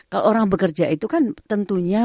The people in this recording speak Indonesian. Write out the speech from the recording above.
kalau orang bekerja itu kan tentunya